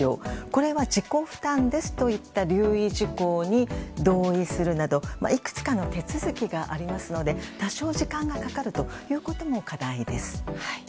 これは自己負担ですといった留意事項に同意するなどいくつかの手続きがありますので多少、時間がかかるということも課題です。